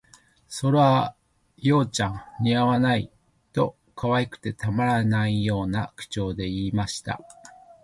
「それあ、葉ちゃん、似合わない」と、可愛くてたまらないような口調で言いました